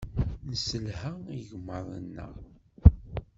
Nesselha igmaḍ-nneɣ.